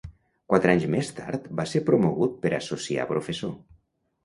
Quatre anys més tard va ser promogut per associar professor.